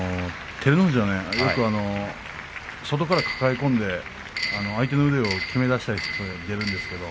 照ノ富士は、よく外から抱え込んで相手の腕をきめ出したりする形で出るんですけれども。